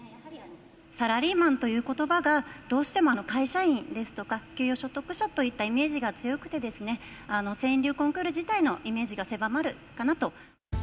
サラリーマンということばが、どうしても会社員ですとか、給与所得者といったイメージが強くて、川柳コンクール自体のイメージが狭まるかなと。